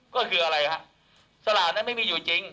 ก็คืออะไรฮะสลากนั้นไม่มีอยู่จริง